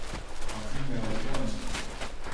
A female linesman.